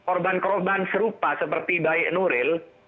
korban korban serupa seperti baik nuril